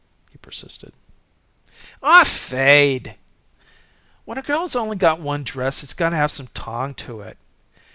he persisted. "Aw, fade!" jeered Sophy. "When a girl's only got one dress it's got to have some tong to it.